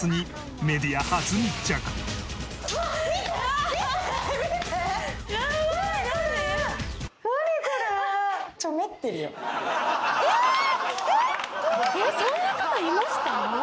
そんな方いました？